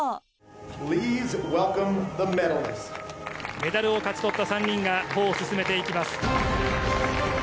メダルを勝ち取った３人が歩を進めていきます。